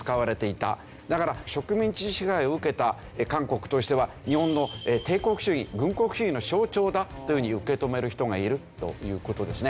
だから植民地支配を受けた韓国としては日本の帝国主義軍国主義の象徴だというふうに受け止める人がいるという事ですね。